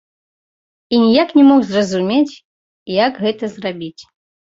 І ніяк не мог зразумець, як гэта зрабіць.